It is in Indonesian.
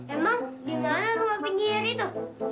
emang dimana rumah penyihir itu